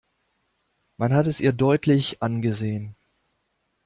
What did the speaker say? Man hat es ihr deutlich angesehen.